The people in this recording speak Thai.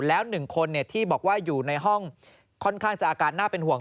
แล้ว๑คนที่บอกว่าอยู่ในห้องค่อนข้างจะอาการน่าเป็นห่วง